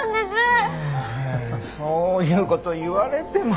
そういう事言われても。